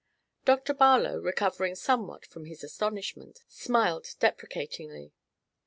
Dr. Barlow, recovering somewhat from his astonishment, smiled deprecatingly.